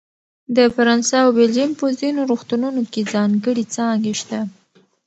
د فرانسه او بلجیم په ځینو روغتونونو کې ځانګړې څانګې شته.